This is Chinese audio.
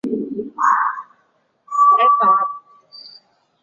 此外前往北爱尔兰贝尔法斯特的国际列车企业号也是自这里发车。